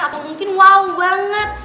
atau mungkin wow banget